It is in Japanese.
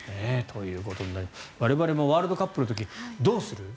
我々もワールドカップの時どうする？